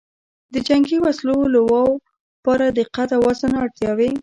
د جنګي وسلو لواو لپاره د قد او وزن اړتیاوې